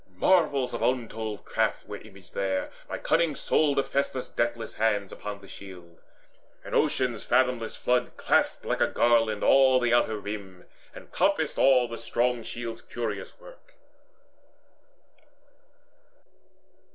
Marvels of untold craft were imaged there By cunning souled Hephaestus' deathless hands Upon the shield. And Ocean's fathomless flood Clasped like a garland all the outer rim, And compassed all the strong shield's curious work.